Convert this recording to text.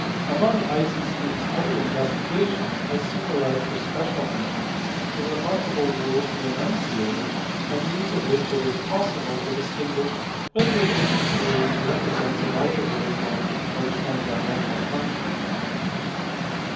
Among Eisenstein s other investigations I single out for special mention the remarkable rule he enunciated by means of which it is possible to distinguish whether a given series represents an algebraical or a transcendental function.